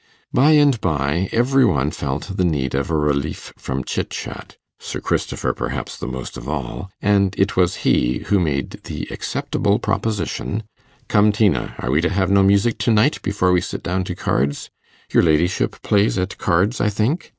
By and by every one felt the need of a relief from chit chat Sir Christopher perhaps the most of all and it was he who made the acceptable proposition 'Come, Tina, are we to have no music to night before we sit down to cards? Your ladyship plays at cards, I think?